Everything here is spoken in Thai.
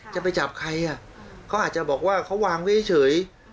จะไปจับใครอ่ะเขาอาจจะบอกว่าเขาวางไว้เฉย